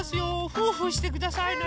ふふしてくださいね。